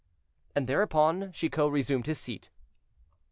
And thereupon Chicot resumed his seat.